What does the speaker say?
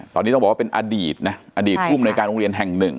ตอนนี้ต้องบอกว่าเป็นอดีตนะอดีตภูมิในการโรงเรียนแห่งหนึ่ง